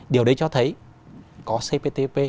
điều đấy cho thấy có cptpp